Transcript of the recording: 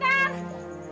oh apa makanya horrifican